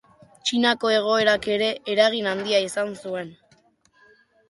Txinako egoerak ere eragin handia izan zuen.